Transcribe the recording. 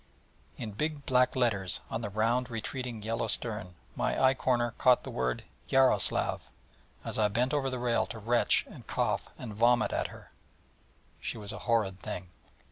In big black letters on the round retreating yellow stern my eye corner caught the word Yaroslav, as I bent over the rail to retch and cough and vomit at her. She was a horrid thing.